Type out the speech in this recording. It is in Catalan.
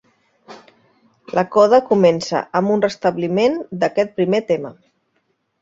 La coda comença amb un restabliment d'aquest primer tema.